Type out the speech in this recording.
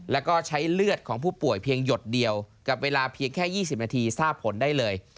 แล้วก็ใช้เลือดของผู้ป่วยเพียงหยดเดียวกับเวลาเพียงแค่๒๐นาทีทราบผลได้เลย